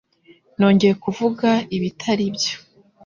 Nongeye kuvuga ibitari byo?